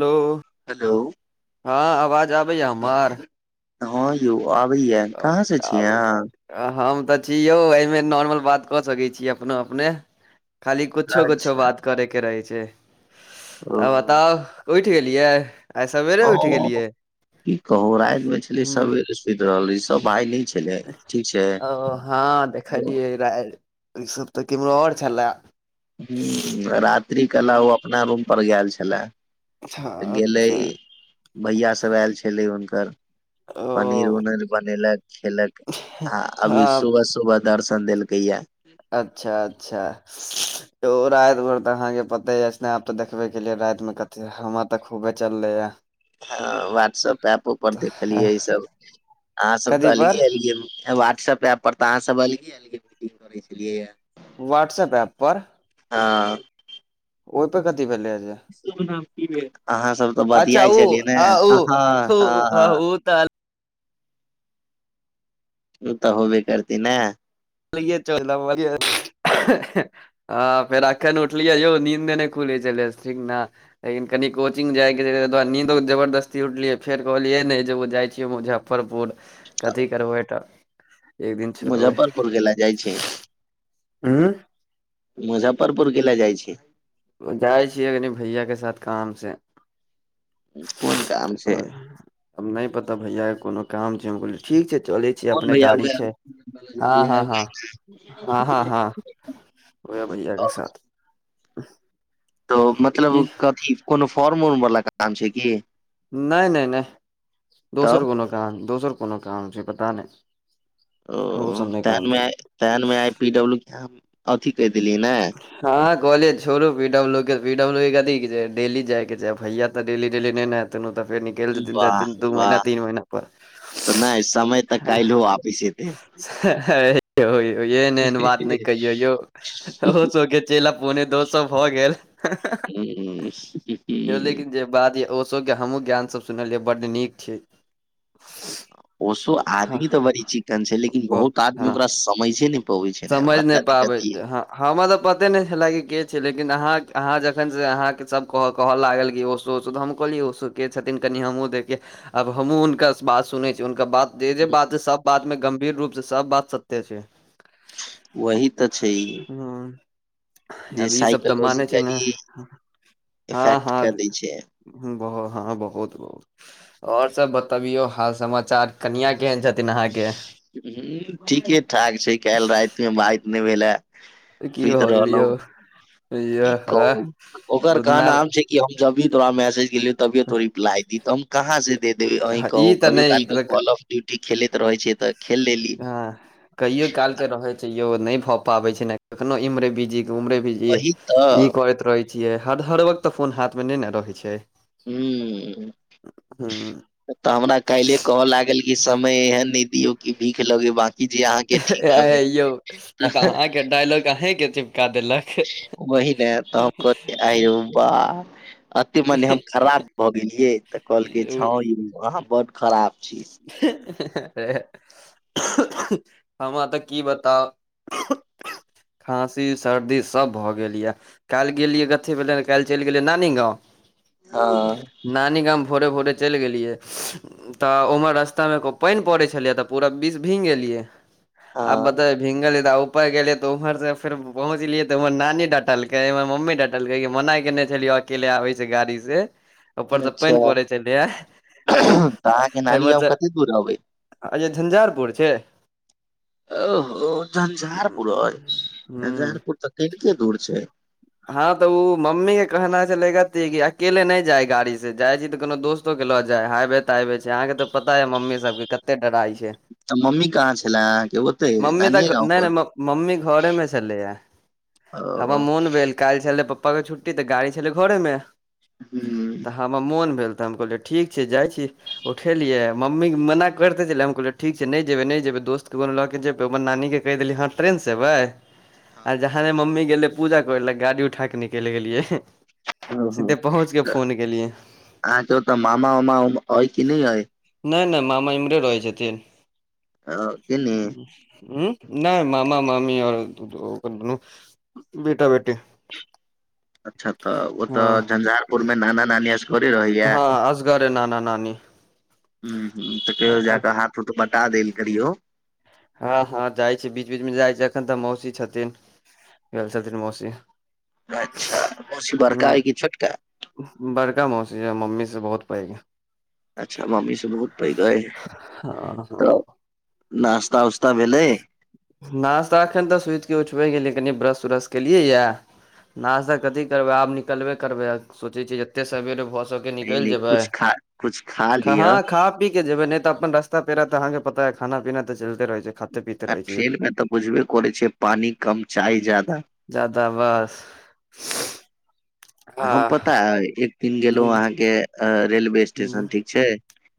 Hello. Hello. हँ आवाज आबैया हमर। हँ यौ आबैया कहाँ से छी आबै अहाँ। हम त छी यौ अयमे नॉर्मल बात क सकै छी अपनो अपने। खाली कुछो- कुछो अच्छा बात करैके रहै छैय त ओ बताउ। उइठ गेलियै। आइ सवेरे उठि गेलियै की कहु राइत मे छली हूँ सबेरे सुइत रहल रही सब भाय न ओ हँ देखलियै रहै इसब त किम्हरो आओर छलए। हा रात्रिक कला ओ हूँ, अपना रूमपर गेल छलै। अच्छा गेलै अच्छा भैया सब एल छलै हुनकर पनीर ओ उनीर बनेलक खेलक आ अभी हँ सुबह- सुबह दर्शन देलकैया। अच्छा-अच्छा। यौ राइत भैर त अहाँके पते अइछ अहाँ त देखबे केलियै राइतमे कते हमा त खूबे चललैए। हँ व्हाट्सप ऐपो पर देखलियै इसब। अहाँ सब त कथी पर अलगे-अलगे वाट्सप ऐप पर त अहाँ सब अलगे-अलगे मीटिंग करै छलियै या। वाट्सप ऐप पर? हँ। ओतऽ कथी भेलैया जे। अहाँ सब त अच्छा बतियाई उ छलियै ने आ उ हँ हु ह -हँ। उ तऽ उ त होबे करतै ने। [unintelligible] हँ फेर अखैन उठलीयै यौ नींन्दे नै खुलै छलैए ठीक न। लेकिन कनि कोचिंग जाइके रहय तय दुआरे नीन्दो जबरदस्ती उठलियै फेर कहलियै नै जे ओ जाइ छियै मुजफ मुजफ्फरपुर कथी करबै अहिठा। मुजफ्फरपुर कैला जाइ छही। उं। मुजफ्फरपुर कैला जाइ छी। जाइ छियै कनि भैयाके साथ कामसे। कोन काम तय छै दुआरे आब नै पता भैयाके कोनो काम छैय हम कहलियै ठीक छैय चलै छी कोन अपने भैया गाड़ी छैय। हँ- हँ- उहे हँ, हँ- हँ- हँ। होइये भैयाके साथ। [unintelligible] त मतलब की कथी कोनो फॉर्म उर्म वला काम छैय कि? नै- नै- नै दोसर कोनो काम, दोसर कोनो काम छैय पता नै। ओ तेहन मे आइ तेहन मेंआइ पी-डब्लू के अथी कहि देलियै ने। हँ कॉलेज छोड़ू पी डब्लू के पी डब्लू के कथी के डेली जाय के छै भैया तऽ डेली डेली नहि ने ओतऽ फेर निकलि जेथिन त एथिन दू महीना तीन महीना पर। नै समय तऽ काइल्हो वापिस एते। [inaudible] एन एन बात नहि कहियौ यौ। ओहो सब के चेला पोने दो सौ भऽ गेल, हूँ। लेकिन जे बात ये ओसो के हमहुँ ज्ञान सब सुनलियै बड नीक छै। ओसो आदमी तऽ बड़ी हँ चिकन छै लेकिन बहुत आदमी हँ ओकरा समैझे नै पबै छै ने समझ नहि बरका पाबै दिक्कत इहे छै ये। ह हमरा तऽ पते नहि छले कि के छै लेकिन अहाँ अहाँ जखन स अहाँके सब कह कहऽ लागल कि ओ हम कहलिए ओसो के छथिन कनि हमहुँ देखिये आब हमहुँ हुनका बात सुनै छी हुनकर बात जे जे बात छै सब बात मे गंभीर रूप से सब बात सत्य छै। वही तऽ छैहे ह जे अब ई सब तऽ मानै छै ने साइकोलॉजीकली इफेक्ट कए दै छै। ब हँ बहुत, और सब बतबियौ हाल समाचार कनिया केहन छथि थिन अहाँ के। हू ठीके ठाक छै काल्हि रातिमे बात नहि भेले। की सुति भऽ गेल यौ रहलहुं, य की ह कहू, ओकर तू कह न नाम छै कि हम जभी तोरा मैसजे केलियो तभिये तो रिप्लाई दी, तऽ हम कहाँ से देबै, अहीं ई कहु तऽ कभियो काल क नहि कॉल ऑफ डयूटी खेलैत रहे छियै तऽ खेल लेलियै। हं कहियो काल के रहे छै यो नहि भए पाबे छै ने, कखनो इमरे बीजी कहु उमरे। बीजीये वही ई तऽ करैत रहे छियै हर हर वक्त तऽ फोन हाथ मे नहि ने रहै छै। हूं हूँ। तऽ हमरा काइल्हे कहय लागल कि समय एहन नहि दियौ कि भीख लगे बा। एँ यौ ई त अहां के डायलॉग अहें के चिपका देलक। वहि ने त हम कहति एँ यौ बा। अते मने हम खराब भऽ गेलियै तऽ कहलकै हँ यौ अहाँ बड खराब छी। [unintelligible] हमरा तऽ की बताउ खाँसी सर्दी सब भऽ गेल यऽ। काल्हि गेलियै अथि बला लग काल्हि चलि गेलियै नानी गाँव। हँ। नानी गाम भोरे भोरे चलि गेलियै। तऽ उमहर रास्ता मे एगो पानि पड़ै छलैये तऽ पूरा विष भींग गेलियै आब हँ बताई भींगलिये त ऊपर गेलियै ते उमहर सँ फेर पहुंचलिये ते उमहर नानी डटलकै इमहर मम्मी डटल टलकै कि मना केने छलियौ अकेले आबै से गाड़ी से ऊपर सँ अच्छा पानि पड़ै छ्लै आ तऽ अहाँके नानी इमहर गाम से कते दूर अबै अय जे झंझारपुर छै? ओहो झंझारपुर अय हूँ झंझारपुर तऽ कैनके दूर छै। हँ तऽ ओ मम्मी के कहना छ्लै कथि कि अकेले नहि जाय गाड़ी से जाइ छी तऽ कोनो दोस्त तो के ल जाय हाइवे ताइवे छै, अहाँके त पता अछि मम्मी सब के कते डराय छै। आ मम्मी कहाँ छले अहँके ओतै मम्मी तऽ नानिये गाँव नहि पर? नहि मम्मी घरे ओ। फोन भेल काल्हि छलै पप्पा के छुट्टी तऽ गाड़ी छले घरेमे हूं। तऽ हमर मोन भेल तऽ हम कहलियैऽठीक छै जाइ छी उठेलियै मम्मीक मना करतै छलैय। हम कहलियै ठीक छै नैऽ जेबै नै जेबै दोस्तके कोनो लऽ जेबै ओ अपन नानीके कैह देलियै हँ ट्रेनसँ एबय? आ जहाँने मम्मी गेलै पूजा करय लय गाड़ी उठा कऽ निकैल गेलियै। एहं हं- हं- त, अहांके ओतऽ मामा -वोमा अय की नह अय? नै- नै मामा इमरे रहै छथिन। कि ने [unintelligible] उं? नै मामा -मामी और दु-दु-ओकर दुनू बेटा बेटी अच्छा तऽ ओतऽ हँ झंझारपुर मे नाना- नानी अस हँ असगरे नाना -नानी हुं- हुं तऽ कैहियो जाकऽ हाथ -हुथ बंटा देल करियो। हँ- हँ जाइ छै। बीच -बीच मे जाइ छै। अखन तऽ मौसी छथिन। गेल छथिन मौसी। अच्छा। मोसी बड़का अय की छोटका? उंह-बड़का मौसी अय मम्मी से बहुत पैइग अय। अच्छा मम्मी स बहुत पैइग अय? हँ तऽ हँ नास्ता उस्ता त भेलय? नाश्ता एखन तऽ सुइत क उठबे गेलियै कनि ब्रश -उरश केलियैयैऽ नाश्ता कथी करबय? आब निकलबे करबय आ सोचय छीे जते सवेरे भसक- के नहीं निकैल नहीं जेबै। कुछ खा कुछ खा लिअ खहां खा- पी के जेबय नै त अप्पन रस्ता -पेरा त अहाँके पताअय खाना -पीना त चैइलते रछै। खाते- पीेते- आ फेल मे तऽ बुझबे करै छियै पानि कम चाय जादा। जादावश हम पता अय, एक दिन गेलौं की अहाँके अ-रेलवे स्टेशन ठीक छै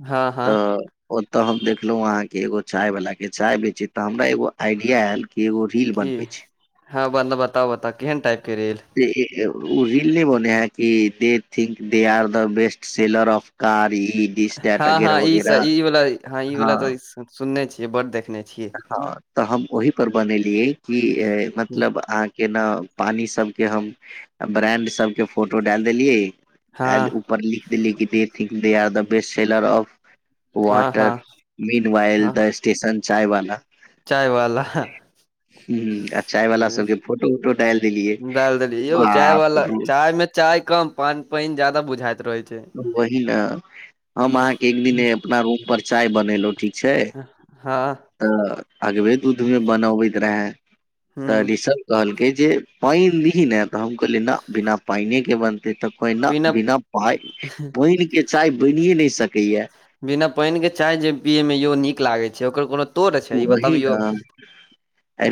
हँ हँ तऽ ओत हम देखलौं अहाँके एगो चाय वला के चाय बेचैत तऽ हमरा एगो आईडिया ऐल कि एगो रील की। बनबै छै हँ बंद- बता- बता केहेन टाइप के रेल? इ-इ-उ-ओ रील नय बनैहे कि they think they are the best seller of car ई दिस दैट हँ- वगैरह हँ- ईस- वगैरह ई वला ह हँ -इवला तऽ सुन्ने छियै बड्ड देखने छियै हँ तऽ हम ओहि पर बनेलियै कि मतलब आं- केना, पानी सब के हम, ब्रैंड सब के फोटो डैल देलियै हँ पर लिख देलीकी they think they are the best seller of हँ हँ water mean vial the station चाय बाला। चायवाला [inaudible] सबके फोटो उटो डालि देलियै एह--डाल देली। यौ चाय बाप वला, रौ चाय मे चाय कम पान पैइन जादा बुझाइत रहै। छै वहि ने, हम अहाँके एक दिन हम्म, ए अपना रूम पर चाय बनेलु, ठीक छै। हँ ह तऽ अगबे दूधमे बनऽबैत रहैऽ। तऽ [unintelligible] सब? कहलकै जे पैन लीही ने तऽ हम कहलियै नऽ बिना पाइने के बनते तऽ नऽ बिना पाय [unintelligible] पैइन के चाय बैनिये नय सकैयैऽ। बिना पैइन के चाय जे पियय मे यौ नीक लागै छै। ओकर कोनो तोड़ छै ई वही बतबियौ न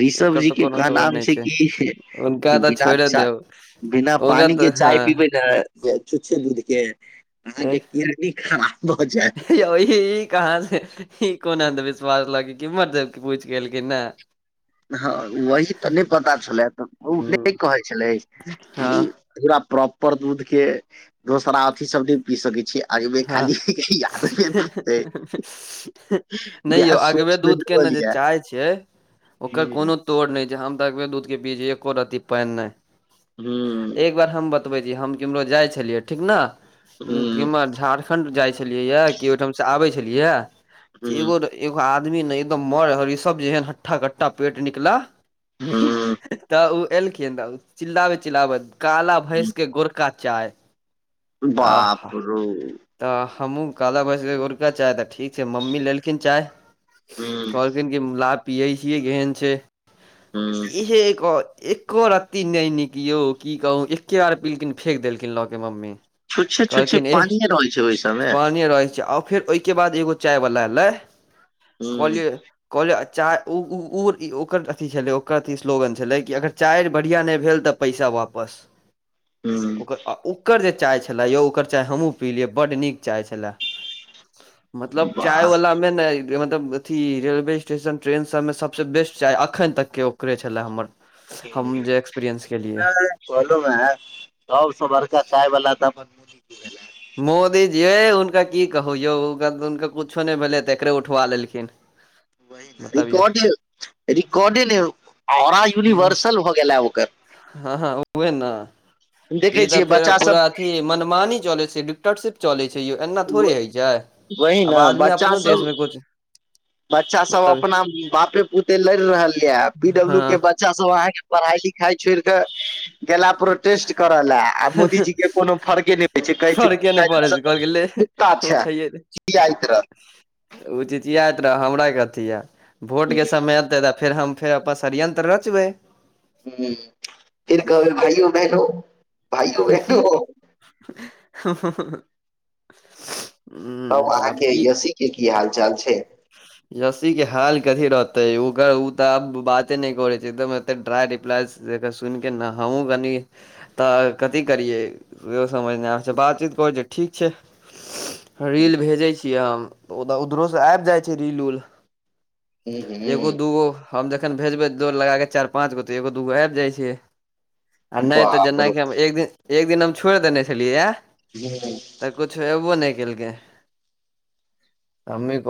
ऋषभ ओकर जी तऽ के कोनो तोड़ कहनााम नहि छै क हुनका तऽ विधान छोड़े च देब बिना हुनका पानी के तऽ हँ चाय पीबे न य चुच्छे दूध के अहाँके किनी खराब भऽ जायत या ओ ही। कहाँ से ई कोन अन्धविश्वास ल कीमहर से पूछ के एलखिन हाँ हँ वही त नहि पता छलै ते ओ बहु हम्म, नहि कहै छलै कि हँ पूरा प्रॉपर दूध के दोसरा अथी सब ने पी सकै छीये ऐ बे हँ खाली याद बितई नहि यौ उहाए अगबे सोच के दूध के ने दैन चाय छ ओकर हूं कोनो तोड़ नहि छै हम त अगबे दूध के पीये छीये एको रति पैन नै एक हूं बात हम बतबै छी हम केम्हरो जाइ छलियै ठीक न कीम्हर झारखण्ड जाइ छलियै य कि ओहिठाम से आबे छलिय [unintelligible] एगो एगो आदमी ने एकदम मर हरी सब जे एहन हट्ठा कट्ठटा पेट निकला हूं त ओ एलखिन ऊ चिल्लाबेत चिल्लाबेत काला भैंस के गोर का चाय बाप रो त हमहूँ काला भैस गोरका चाय त से मम्मी लेलखिन चाय हूं कहलखिन की ला पियै छियै केहन छै। हूं इ हे एक और एक्को रत्ती नै नीक यौ की कहूँ एक्के बार पीलखिन फेक देलखिन ल के मम्मी छुछे छुछे पानिे रहे छै ओहि से पानी ये रहै छै आर फेर ओहिके बाद एगो चाय बला एलै हूं कहलियै कहलियै आ चाय ओ -ओ -ओ ओकर अथथि छलै ओकर अथी स्लोगन छलै कि अगर चाय बढ़िआँ नहि भेल त पैसा वापस। [inaudible] हूं ओकर उ ओकर जे चाय छलै यौ ओकर चाय हमूँ पीलिये बड नीक चाय छले मतलब चाय वाह वाला मे न मतलब अथी रेलवे स्टेशन ट्रेन सब मे सबसे बेस्ट चाय अखन तक के ओकरे छलै हमर। हम जे एक्सपीरियंस केेलिए। कहलू ह सबसे बड़का चाय बला त अपन मोदी जी भेलनि। मोदीजी ये हुनका की कहु यौ हुनके कुछो नहि भेले त एकरे उठवा लेलखिन। [inaudible] वही ने बतबियौ रिकॉर्ड रिकॉर्डे नय हमरा हूँ, यूनिवर्सल भ गेलै हाँ ओ। हँ हँ उहे ने देखै ई त छियै फेर बच्चा सब पूरा अथी मनमानी चलैत। डिक्टरशिप चलै छै यों एना थोड़े होइ छै वही आब ने आदमी बच्चा अपनो सब देश मे कुछ बच्चा सब मतलब अपना बापे पुते लैर रहल ये पीडब्लू के हँ बच्चा सब अहाँके पढ़ाई लिखाई छोड़ के गेला प्रोटेस्ट कर ले आ मोदीजी के कोनो फर्क नै फड़के नै पड़े से कहल के लै कुत्ता हाँ छै उठेेे खियाइत ओ ची ची यात रह हमरा कथी य। भोट रहत के समय अयतै त फेर हम फेर अपन षड्यंत्र रच बै। हूं हूं फीर कहै बे भइयो भेलो। हूं हूं [inaudible] हूं हूं तब अहाँ आब के की यसी के की हाल चाल छै। यसी के हाल कथी रहते ओकर ओ त आब बाते न करे छै तऽ ट्रॉय रिप्लाइ स्टेटस सुनि के न हम हूँ कनि त कथी करियै इहो समझ नहि आब छै बातचीत करै छिय ठीक छै। रील भेजै छियै हम ओ त उधरो से आबि जाय छै रील उल एगो दूगो हम जखन भेजबै दौड़ लगा के चारि पाँच गो तऽ एगो दूगो आएब जाय छै। आ नै त बाप जेना रौ की हम एक दिन एक दिन हम छोड़ि देने छलियै। [unintelligible] तऽ कुछ एबो नै केल कै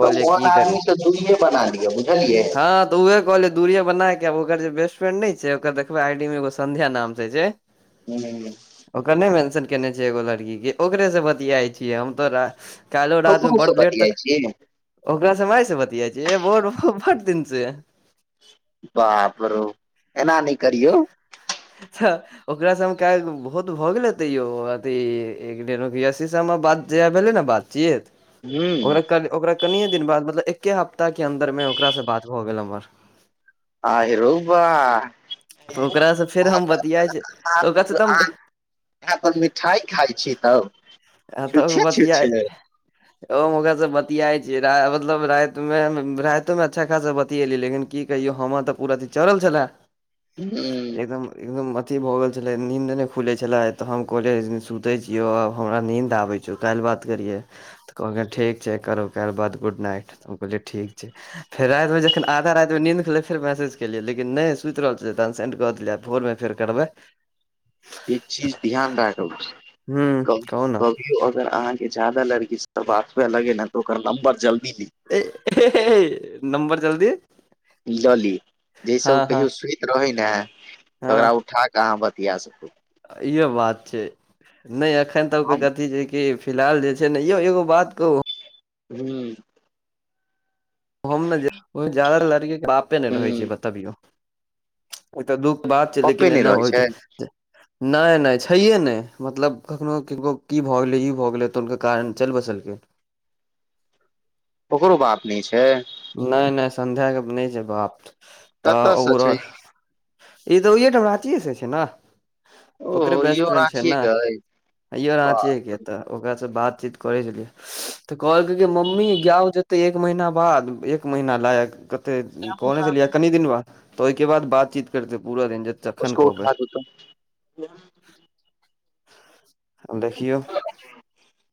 त ओहन की करी आदमीे सऽ दुरीये बना लिय बुझलियै। त उहे कहलिये दूरिये बना के आ ओकर जे बेस्ट फ्रेंड नै छै ओ देखब आई डी मे एगो संध्या नाम से छै [unintelligible] ओकर नहि मेंशन केने छै एगो लड़की के ओकरे से बतियाइ छियै हम तोरा कइलो रात में ककरो से बडु लेट बतियाइ तक छी ओकरा से हम आई से बतिया छियै ए बोड बड दिन से। बापरौ एना नहि करियौ छ ओकरा सऽ हम काल्हि बहुत भऽ गेलै तैयो अथी एक डेढ अभी सी सबमे बात ज भेलै ने बातचियत हूं ओकरा कन ओकरा कनिये दिन बाद मतलब एके हफ्ताह के अंन्दर मे ओकरा से बात भऽ गेल हमर आहिरो बा तऽ ओकरा से [inaudible] फेर हम अहा, बतियाइ छै तऽ ओकरा से तऽ हम अहा तऽ मिठाइ खाय छी तब छुछे-छुछे ओ हम ओकरा से बतियाइ छी राइ मतलब राइत मे राइतौ में अच्छा खासा बतियली लेकिन की कहियो हमर तऽ पूरा अथी चरल छले हूं एकदम-एकदम अथी भो गेल छलै नीन्द नहि खुलै छलै तऽ हम कोहलिये सुतै छियौ आ हमरा नीन्द आबै छउ काल्हि बात करियै। तऽ कहलकै ठीक छै करब काइल बात गुड नाइट तऽ हम कहलियै ठीक छै फेर रातिमे जखन आधा रातिमे नीन्द खुललै फेर मैसज केलियै लेकिन नहि सुइत रहल छैैलै तऽ अनसेंड कऽ देलियै भोरमे फेर करबै एक चीज ध्यान राखब हूँ कब-कब कहू ने कहियो अगर अहाँ के जादा लड़की सऽ बात हुवलगे नऽ तऽ ओकर नम्बर जल्दी डी ए हेहे नम्बर जल्दी लऽ ली जइस हँ ओ हँ कहियो सुइत रहै ने हँ तऽ ओकरा उठा अहाँ बतिया सकू इहो बात छै नहि एखन तक ओक हम कथी छै कि फिलहाल जे छै नेऽ यौ एगो बात कहु हू हम ने जे आहिमे जदा लड़की बापे नहि रहै हूं छै बतबियौ ओ तऽ दुःख बात छै पप्पे लेकिन नहि एना रहै होइ छै जे नहि-नहि छैहे नहि मतलब कखनो किनको की भऽ गेलै ई भऽ गेलै तऽ हुनकर कारण चलि बसलकै। ओकरो बाप नहि छै? नह- नहि संध्या के नहि छै बाप तऽ कतऽ से ओकरो छै ई तऽ ओहियेठाम रांचिए से छैय नऽ ओकरे ओहो बेस्ट इहो फ्रेंड छै राँचीे नऽ के अइ हयो रचिये बाप के रे, तऽ ओकरासँ बात-चीत करै छलियै तऽ कहलकै कि मम्मी गाव जेतै एक महीना बाद एक महीना लायक कतै कहने छलियै कनि दिन बाद तऽ ओहिके बाद बात-चीत करतै पूरा दिन जे तखन उसको कहबय उठा दो तुम देखियौ ह